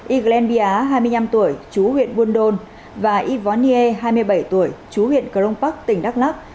y glen bia hai mươi năm tuổi chú huyện buôn đôn và y võ nghê hai mươi bảy tuổi chú huyện cờ rông pắc tỉnh đắk lắc